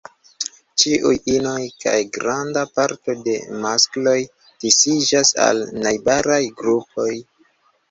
Ĉiuj inoj kaj granda parto de maskloj disiĝas al najbaraj grupoj.